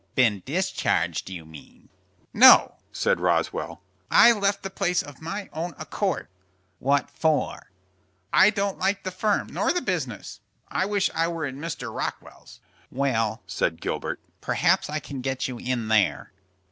"Been discharged, you mean." "No," said Roswell, "I left the place of my own accord." "What for?" "I don't like the firm, nor the business. I wish I were in Mr. Rockwell's." "Well," said Gilbert, "perhaps I can get you in there."